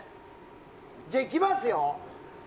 じゃあ、いきますよ！